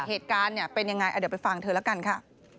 เหตุการณ์เป็นยังไงเดี๋ยวไปฟังเธอแล้วกันค่ะ